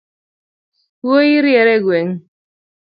Wuoi riere e gweng’